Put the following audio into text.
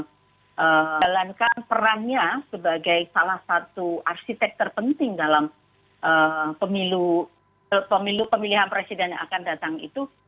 menjalankan perannya sebagai salah satu arsitek terpenting dalam pemilu pemilihan presiden yang akan datang itu